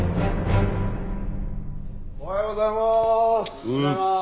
おはようございます。